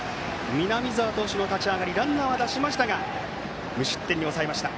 南澤投手の立ち上がりランナーは出しましたが無失点に抑えました。